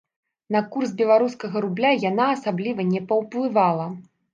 На курс беларускага рубля яна асабліва не паўплывала.